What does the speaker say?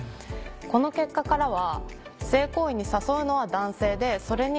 この結果からは。